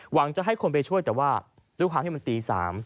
หวังจะให้คนไปช่วยแต่ว่าด้วยความที่มันตี๓